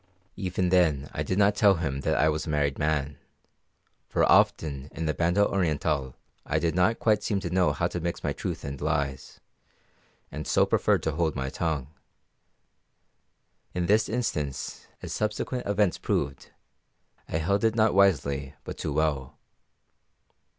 Even then I did not tell him that I was a married man; for often in the Banda Orientál I did not quite seem to know how to mix my truth and lies, and so preferred to hold my tongue. In this instance, as subsequent events proved, I held it not wisely but too well.